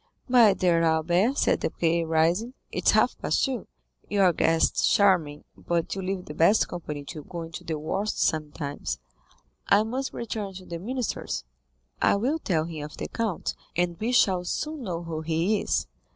"My dear Albert," said Debray, rising, "it is half past two. Your guest is charming, but you leave the best company to go into the worst sometimes. I must return to the minister's. I will tell him of the count, and we shall soon know who he is."